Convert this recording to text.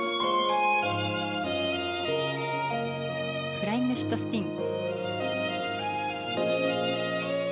フライングシットスピン。